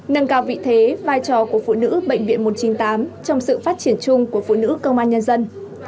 nâng cao vị thế vai trò của phụ nữ bệnh viện một trăm chín mươi tám trong sự phát triển chung của phụ nữ công an nhân dân